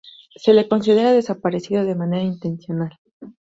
Se lo considera desaparecido de manera intencional.